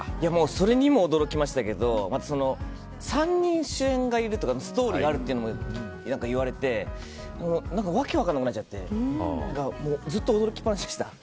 それにも驚きましたけど３人主演がいるというかストーリーがあると言われて訳が分からなくなっちゃってずっと驚きっぱなしでした。